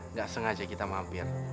nggak sengaja kita mampir